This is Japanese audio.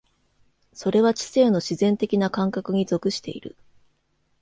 それは知性の自然的な感覚に属している。